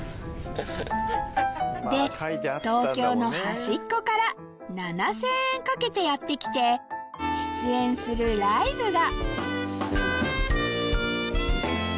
で東京の端っこから７０００円かけてやって来て出演するライブが